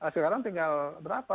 sekarang tinggal berapa